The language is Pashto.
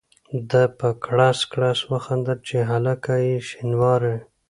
ده په کړس کړس وخندل چې هلکه یې شینواری.